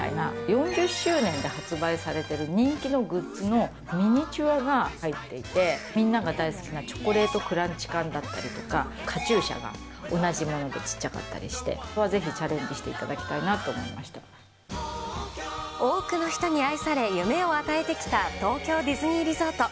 ４０周年で発売されてる人気のグッズのミニチュアが入っていて、みんなが大好きなチョコレートクランチ缶だったりとか、カチューシャが同じもので小っちゃかったりして、そこはぜひチャレンジし多くの人に愛され、夢を与えてきた東京ディズニーリゾート。